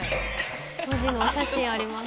当時のお写真あります